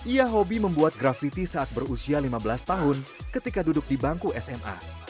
ia hobi membuat graffiti saat berusia lima belas tahun ketika duduk di bangku sma